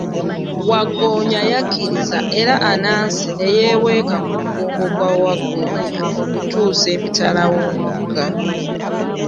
Wagggoonya yakkiriza era Anansi ne yeeweeka ku mugongo gwa wagggoonya okutuusa emitala w'omugga.